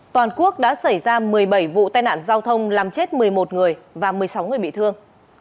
toàn quốc đã xảy ra một mươi bảy vụ tai nạn giao thông làm chết một mươi một người và một mươi sáu người bị thương